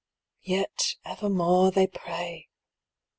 Yet evermore they pray